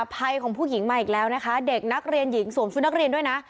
ภัยของผู้หญิงมาอีกแล้วนะคะเด็กนักเรียนหญิงสวมชุดนักเรียนด้วยนะ